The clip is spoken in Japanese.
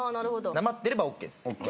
なまってればＯＫです。